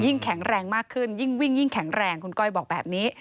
แข็งแรงมากขึ้นยิ่งวิ่งยิ่งแข็งแรงคุณก้อยบอกแบบนี้